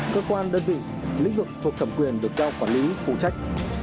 cơ quan đơn vị lĩnh vực thuộc thẩm quyền được giao quản lý phụ trách